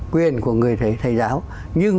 quyền của người thầy giáo nhưng